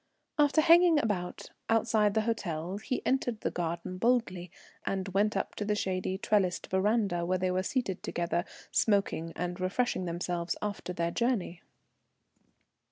After hanging about the outside of the hotel, he entered the garden boldly and went up to the shady trellised verandah where they were seated together, smoking and refreshing themselves after their journey.